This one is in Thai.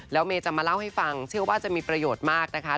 แล้วเมย์จะมาเล่าให้ฟังเชื่อว่าจะมีประโยชน์มากนะคะ